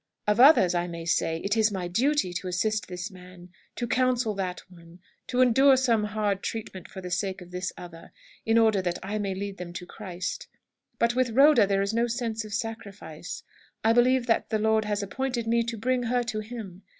Of others I may say, 'It is my duty to assist this man, to counsel that one, to endure some hard treatment for the sake of this other, in order that I may lead them to Christ.' But with Rhoda there is no sense of sacrifice. I believe that the Lord has appointed me to bring her to Him.